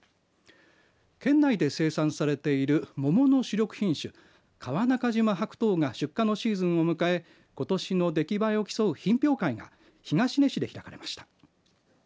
県内で生産されている桃の主力品種川中島白桃が出荷のシーズンを迎えことしの出来栄えを競う品評会が東根市で開かれました。